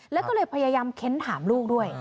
แล้วก็เลยพยายามเค้นถามลูกด้วย